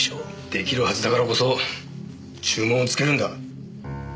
出来るはずだからこそ注文をつけるんだ。